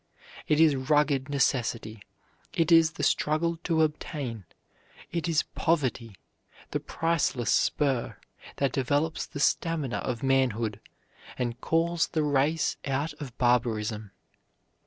It is rugged necessity, it is the struggle to obtain; it is poverty, the priceless spur, that develops the stamina of manhood, and calls the race out of barbarism.